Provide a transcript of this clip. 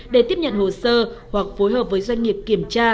để tiếp nhận hồ sơ hoặc phối hợp với doanh nghiệp kiểm tra